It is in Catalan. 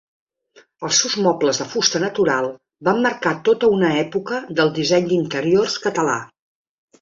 Els seus mobles de fusta natural van marcar tota una època del disseny d'interiors català.